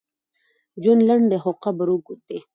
ژوند لنډ دی، خو قبر اوږد دی.